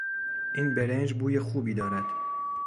این برنج بوی خوبی دارد.